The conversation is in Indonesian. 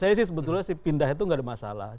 tapi sebetulnya sih pindah itu tidak ada masalah